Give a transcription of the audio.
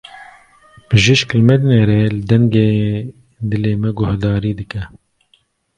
Bijîşk li me dinêre, li dengê dilê me guhdarî dike.